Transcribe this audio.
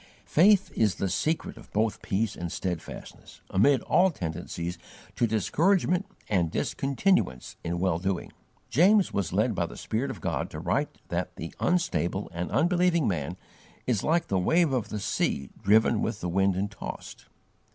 Faith is the secret of both peace and steadfastness, amid all tendencies to discouragement and discontinuance in well doing. James was led by the Spirit of God to write that the unstable and unbelieving man is like the "wave of the sea driven with the wind and tossed."